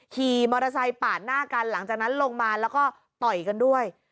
ขี่มอเตอร์ไซค์ปาดหน้ากันหลังจากนั้นลงมาแล้วก็ต่อยกันด้วย